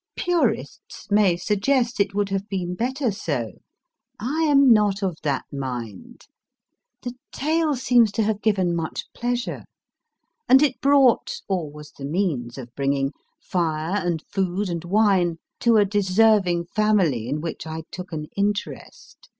Purists may suggest it would have been better so. I am not of that mind. The tale seems to have given much pleasure, and it brought (or was the means of bringing) fire and food and wine to a deserving family in which I took an interest.